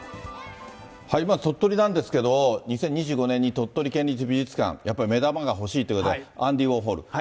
まず、鳥取なんですけど、２０２５年に鳥取県立美術館、やっぱり目玉が欲しいということで、アンディ・ウォーホル。